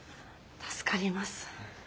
助かります。